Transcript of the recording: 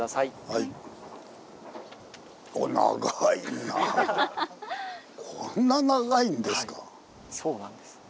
はいそうなんです。